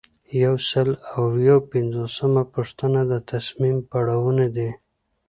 یو سل او یو پنځوسمه پوښتنه د تصمیم پړاوونه دي.